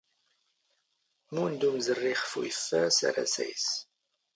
ⵎⵓⵏ ⴷ ⵓⵎⵣⵔⵔⵉ ⵅⴼ ⵓⵢⴼⴼⴰⵙ ⴰⵔ ⴰⵙⴰⵢⵙ.